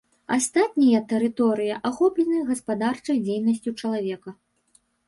Астатнія тэрыторыі ахоплены гаспадарчай дзейнасцю чалавека.